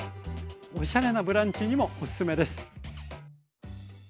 おしゃれなブランチにもおすすめです。